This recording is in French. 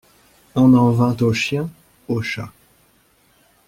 On en vint aux chiens, aux chats.